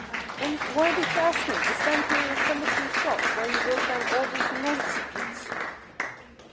"Then why did you ask me to stand here in front of your shop while you wrote down all this nonsense?"